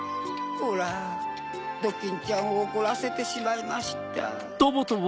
ホラドキンちゃんをおこらせてしまいました。